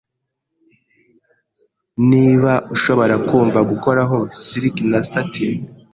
Niba ushobora kumva gukoraho silik na satin